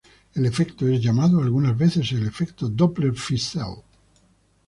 El efecto es llamado algunas veces el "efecto Doppler-Fizeau".